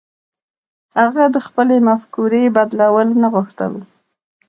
هغه د خپلې مفکورې بدلول نه غوښتل.